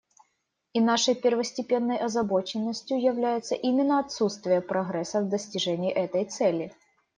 И нашей первостепенной озабоченностью является именно отсутствие прогресса в достижении этой цели.